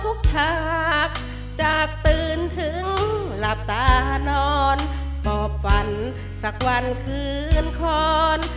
ฉากจากตื่นถึงหลับตานอนหมอบฝันสักวันคืนคอน